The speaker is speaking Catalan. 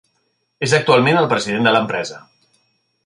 Es actualment el president de l'empresa.